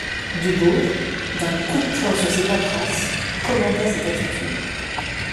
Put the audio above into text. Dubourg, d'un coup de poing sur ses paperasses, commenta cette attitude.